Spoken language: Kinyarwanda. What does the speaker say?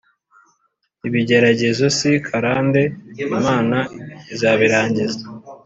iBigeragezo si karande imana izabirangiza